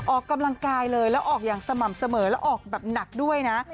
ออกกำลังกายเลยแล้วออกอย่างสม่ำเสมอแล้วออกแบบหนักด้วยนะ